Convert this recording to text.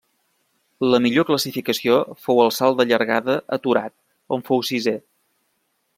La millor classificació fou al salt de llargada aturat on fou sisè.